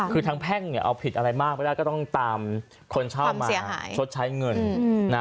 คือทางแพ่งเนี่ยเอาผิดอะไรมากไม่ได้ก็ต้องตามคนเช่ามาชดใช้เงินนะ